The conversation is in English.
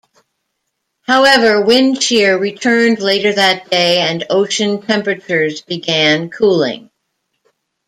However, wind shear returned later that day and ocean temperatures began cooling.